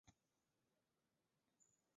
费蒂尼。